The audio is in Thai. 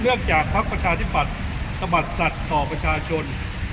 เลือกจากพรรคประชาธิบัติสะบัดสัตว์ต่อประชาชน